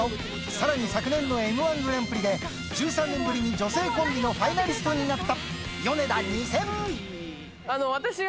さらに昨年の『Ｍ−１グランプリ』で１３年ぶりに女性コンビのファイナリストになった